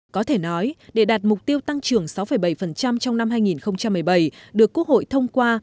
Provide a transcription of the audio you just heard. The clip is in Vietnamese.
có thể nói để đạt mục tiêu tăng trưởng sáu bảy trong năm hai nghìn một mươi bảy được quốc hội thông qua